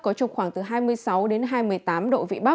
có trục khoảng từ hai mươi sáu hai mươi bảy độ